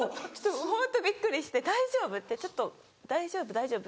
ホントびっくりして「大丈夫？」ってちょっと「大丈夫？大丈夫？」